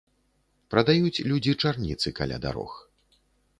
Прадаюць людзі чарніцы каля дарог.